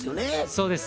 そうです。